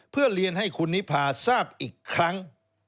เพื่อเรียนให้คุณนิพาทราบอีกครั้ง